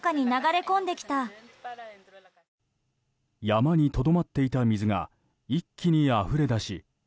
山にとどまっていた水が一気にあふれ出し